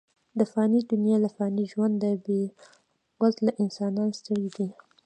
د فاني دنیا له فاني ژونده، بې وزله انسانان ستړي دي.